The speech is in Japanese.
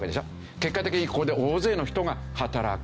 結果的にここで大勢の人が働く。